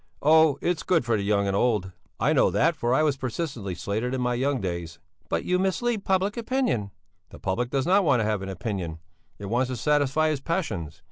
"Oh! It's good for young and old; I know that, for I was persistently slated in my young days." "But you mislead public opinion." "The public does not want to have an opinion, it wants to satisfy its passions.